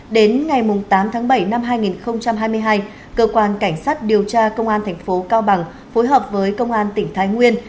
đến ngày tám tháng bảy năm hai nghìn hai mươi hai cơ quan cảnh sát điều tra công an thành phố cao bằng phối hợp với công an tỉnh thái nguyên